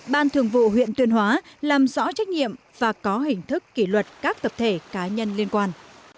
ban thường vụ huyện tuyên hóa làm rõ trách nhiệm và có hình thức kỷ luật các tập thể cá nhân liên quan